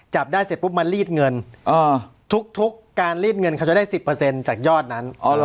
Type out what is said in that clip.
จับได้เสร็จปุ๊บมารีดเงินทุกการรีดเงินเขาจะได้๑๐จากยอดนั้น